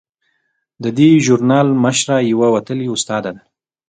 د دې ژورنال مشره یوه وتلې استاده ده.